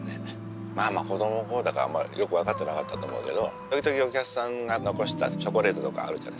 まあ子どもの頃だからよく分かってなかったと思うけど時々お客さんが残したチョコレートとかあるじゃない？